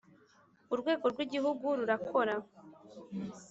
Urwego rw’ Igihugu rurakora